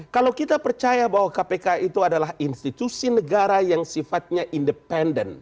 kalau kita percaya bahwa kpk itu adalah institusi negara yang sifatnya independen